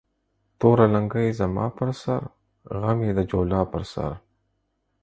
توره لنگۍ زما پر سر ، غم يې د جولا پر سر